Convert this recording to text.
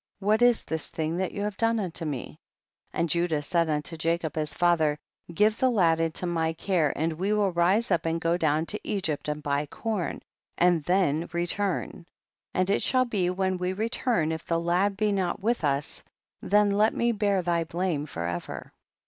what is this thing that you have done unto me ? 19. And Judah said unto Jacob his father, give the lad into my care and we will rise up and go down to Egypt and buy corn, and then return, and it shall be when we return if the lad be not with us, then let me bear thy blame forever.